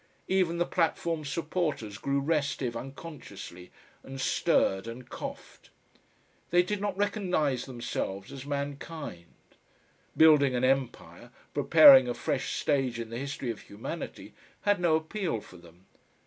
Even the platform supporters grew restive unconsciously, and stirred and coughed. They did not recognise themselves as mankind. Building an empire, preparing a fresh stage in the history of humanity, had no appeal for them.